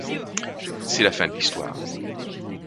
C’est la fin de l’histoire.